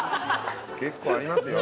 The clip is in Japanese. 結構ありますよ。